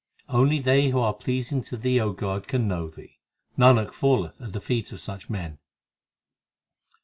Only they who are pleasing to Thee, O God, can know Thee: Nanak falleth at the feet of such men.